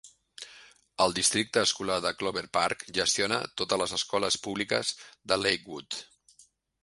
El districte escolar de Clover Park gestiona totes les escoles públiques de Lakewood.